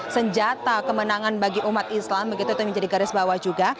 senjata kemenangan bagi umat islam begitu itu menjadi garis bawah juga